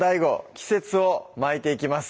季節を巻いていきます